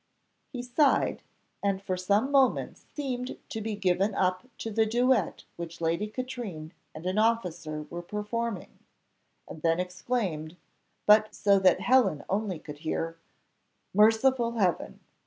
He sighed, and for some moments seemed to be given up to the duet which Lady Katrine and an officer were performing; and then exclaimed, but so that Helen only could hear, "Merciful Heaven!